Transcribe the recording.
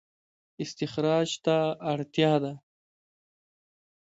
استخراج ته اړتیا ده